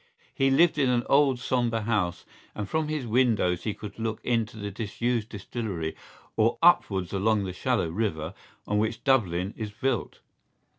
He lived in an old sombre house and from his windows he could look into the disused distillery or upwards along the shallow river on which Dublin is built.